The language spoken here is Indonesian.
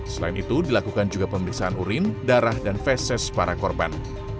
selain itu dilakukan juga pemeriksaan urin darah dan fesis para korban